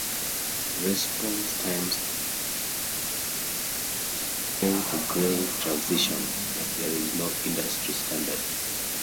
Response times are "usually" measured from grey-to-grey transitions, but there is no industry standard.